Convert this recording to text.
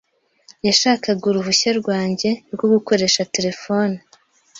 Yashakaga uruhushya rwanjye rwo gukoresha terefone.